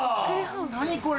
何これ？